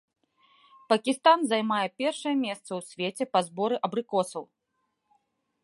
Пакістан займае першае месца ў свеце па зборы абрыкосаў.